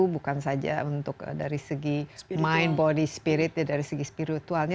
bukan saja untuk dari segi mind body spirit ya dari segi spiritualnya